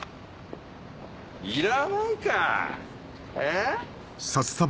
いらないかえ？